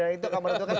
dan itu akan menentukan